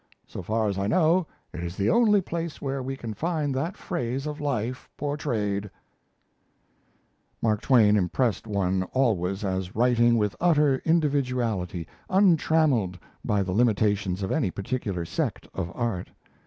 So far as I know, it is the only place where we can find that phase of life portrayed." Mark Twain impressed one always as writing with utter individuality untrammelled by the limitations of any particular sect of art.